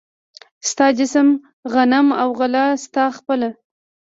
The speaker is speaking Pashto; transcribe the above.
ستا جسم، غنم او غله ستا خپله